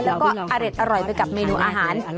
แล้วก็อร่อยไปกับเมนูอาหาร